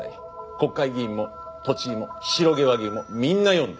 国会議員も都知事も白毛和牛もみんな呼んで。